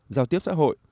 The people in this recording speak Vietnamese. giao tiếp xã hội